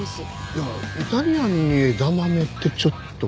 いやイタリアンに枝豆ってちょっと。